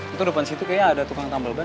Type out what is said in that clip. itu depan situ kayaknya ada tukang tambal ban